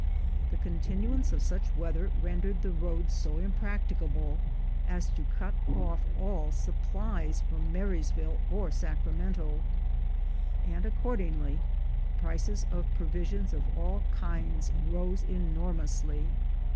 The continuance of such weather rendered the roads so impracticable as to cut off all supplies from Marysville or Sacramento, and accordingly prices of provisions of all kinds rose enormously.